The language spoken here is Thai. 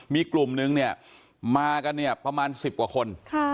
มีกลุ่มนึงมากันประมาณ๑๐กว่าคน